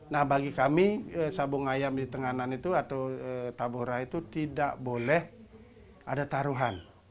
nah bagi kami sabung ayam di tenganan itu atau tabora itu tidak boleh ada taruhan